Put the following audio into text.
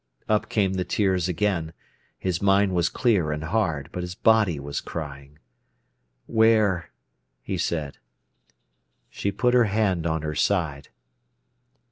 Up came the tears again. His mind was clear and hard, but his body was crying. "Where?" he said. She put her hand on her side.